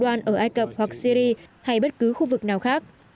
loan ở ai cập hoặc syri hay bất cứ khu vực nào khác